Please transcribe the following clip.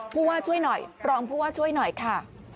ผู้ว่าช่วยหน่อยรองผู้ว่าช่วยหน่อยค่ะ